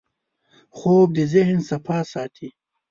خوب د ذهن صفا ساتي